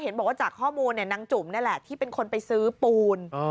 บอกว่าจากข้อมูลนางจุ่มนี่แหละที่เป็นคนไปซื้อปูน